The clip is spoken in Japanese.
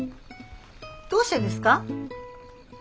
どうしてですか？